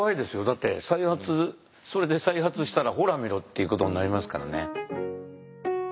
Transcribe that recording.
だってそれで再発したらほらみろっていうことになりますからね。